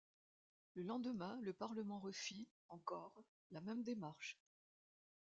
Le lendemain, le Parlement refit, en corps, la même démarche.